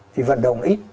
thì vận động ít